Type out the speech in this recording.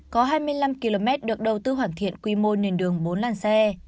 có hai mươi năm km được đầu tư hoàn thiện quy mô nền đường bốn làn xe